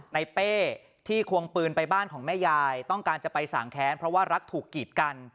เป้ที่ควงปืนไปบ้านของแม่ยายต้องการจะไปสั่งแค้นเพราะว่ารักถูกกีดกัน